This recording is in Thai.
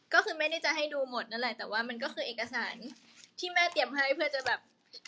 ก็คือไม่ได้จะให้ดูหมดนั่นแหละแต่ว่ามันก็คือเอกสารที่แม่เตรียมให้เพื่อจะแบบ